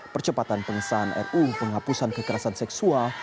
percepatan pengesahan ru penghapusan kekerasan seksual